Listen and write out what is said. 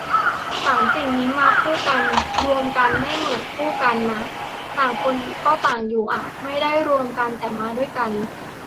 สามสิ่งนี้มาคู่กัน "รวมกัน" ไม่เหมือน "คู่กัน" นะ ต่างคนก็ต่างอยู่อ่ะ ไม่ได้รวมกัน แต่มาด้วยกัน